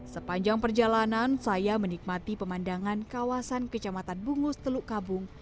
sepanjang perjalanan saya menikmati pemandangan kawasan kecamatan bungus teluk kabung